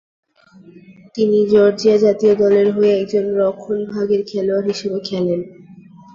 তিনি জর্জিয়া জাতীয় দলের হয়ে একজন রক্ষণভাগের খেলোয়াড় হিসেবে খেলেন।